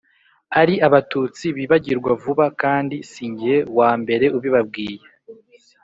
ari abatutsi bibagirwa vuba, kandi si jye wa mbere ubibabwiye,